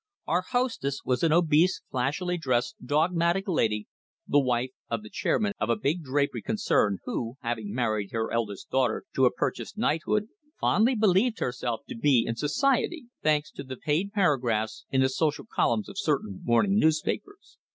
Our hostess was an obese, flashily dressed, dogmatic lady, the wife of the chairman of a big drapery concern who, having married her eldest daughter to a purchased knighthood, fondly believed herself to be in society thanks to the "paid paragraphs" in the social columns of certain morning newspapers.